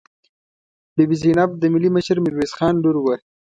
بي بي زینب د ملي مشر میرویس خان لور وه.